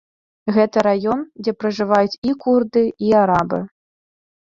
Гэта раён, дзе пражываюць і курды, і арабы.